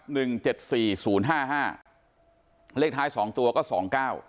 หนึ่งเจ็ดสี่ศูนย์ห้าห้าเลขท้ายสองตัวก็สองเก้า